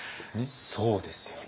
そうですよね。